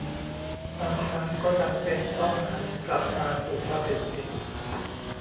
บางครั้งก็จำเป็นต้องหันกลับมาสู่ความเป็นจริง